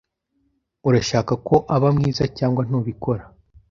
Urashaka ko aba mwiza cyangwa ntubikora?